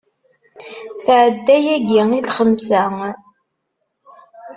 Tɛedda yagi i lxemsa.